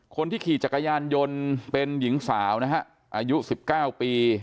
คนที่ขี่จักรยานยนต์เป็นหญิงสาวนะฮะอายุ๑๙ปี